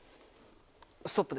ストップで。